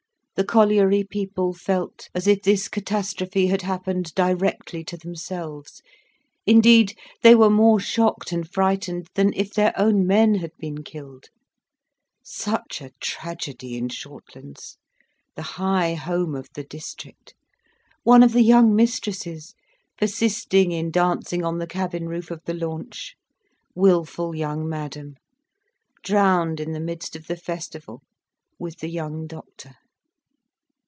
The colliery people felt as if this catastrophe had happened directly to themselves, indeed they were more shocked and frightened than if their own men had been killed. Such a tragedy in Shortlands, the high home of the district! One of the young mistresses, persisting in dancing on the cabin roof of the launch, wilful young madam, drowned in the midst of the festival, with the young doctor!